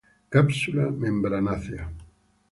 Cápsula membranácea.